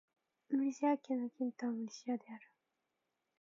ムルシア県の県都はムルシアである